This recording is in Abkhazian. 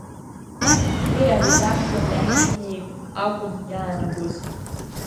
Уи, аредактор иахь ҳнеип акәын иаанагоз.